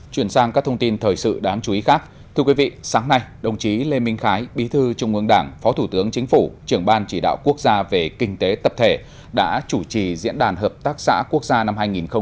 thưa quý vị sáng nay đồng chí lê minh khái bí thư trung ương đảng phó thủ tướng chính phủ trưởng ban chỉ đạo quốc gia về kinh tế tập thể đã chủ trì diễn đàn hợp tác xã quốc gia năm hai nghìn một mươi chín